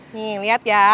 nih liat ya